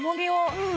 うん。